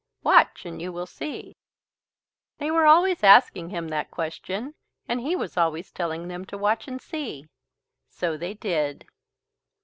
"Watch and you will see." They were always asking him that question and he was always telling them to watch and see. So they did.